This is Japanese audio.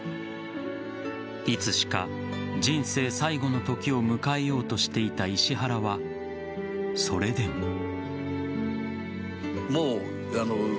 いつしか人生最後のときを迎えようとしていた石原はそれでも。